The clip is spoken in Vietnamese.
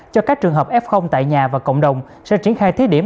cho các trường hợp f tại nhà và cộng đồng sẽ triển khai thí điểm